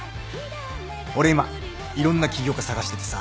俺今いろんな起業家探しててさ。